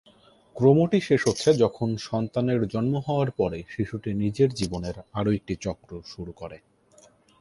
ক্রমটি শেষ হচ্ছে যখন সন্তানের জন্ম হওয়ার পরে শিশুটি নিজের জীবনের আরও একটি চক্র শুরু করে।